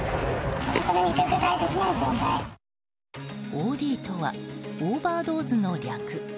ＯＤとはオーバードーズの略。